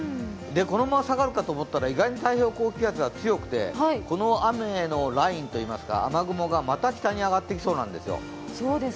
このまま下がるかと思ったら意外に太平洋高気圧が強くてこの雨のラインといいますか雨雲がまた北に上がってきそうなんですよ。